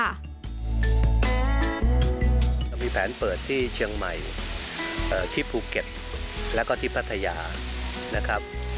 เรามีแผนเปิดที่เชียงใหม่ที่ภูเก็ตแล้วก็ที่พัทยานะครับ